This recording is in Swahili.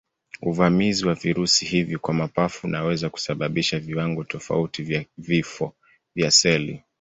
Uvamizi wa virusi hivi kwa mapafu unaweza kusababisha viwango tofauti vya vifo vya seli.